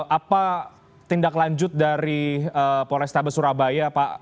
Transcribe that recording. apa tindak lanjut dari polrestabes surabaya pak